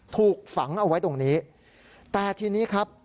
ถูกฝังเอาไว้ตรงนี้แต่ทีนี้ครับ